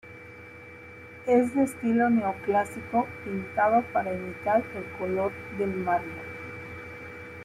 Es de estilo neoclásico, pintado para imitar el color del mármol.